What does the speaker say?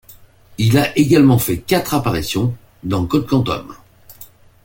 Il a également fait quatre apparitions dans Code Quantum.